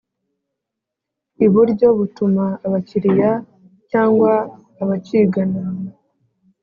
i uburyo butuma abakiriya cyangwa abakigana